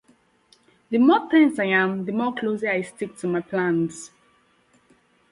the more tense I am, the more closely I stick to my plans.